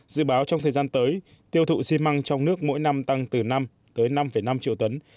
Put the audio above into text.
dự báo trong thời gian tới tiêu thụ xi măng trong nước mỗi năm tăng từ năm tới năm năm triệu tấn